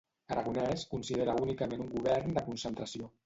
Aragonès considera únicament un govern de concentració.